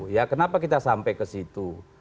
ya kenapa kita sampai ke situ